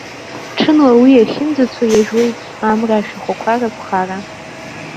Ҽынла уи ахьынӡацо иажәуеит амра ашәахәақәа рыԥхара.